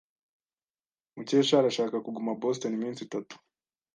Mukesha arashaka kuguma i Boston iminsi itatu.